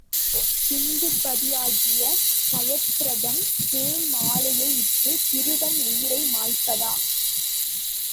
சிந்துபதியாகிய சயத்ரதன் தேன் மாலையை இட்டுச் சிறுவன் உயிரை மாய்ப்பதா!